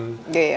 ya ya luar biasa